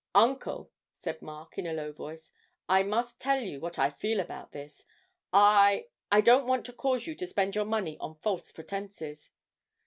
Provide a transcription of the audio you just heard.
'Uncle,' said Mark in a low voice, 'I must tell you what I feel about this. I I don't want to cause you to spend your money on false pretences.'